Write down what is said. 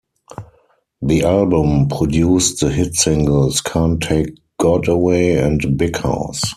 The album produced the hit singles "Can't Take God Away" and "Big House".